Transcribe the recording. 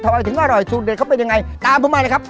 ทำไมถึงอร่อยสูตรเด็ดเขาเป็นยังไงตามผมมาเลยครับ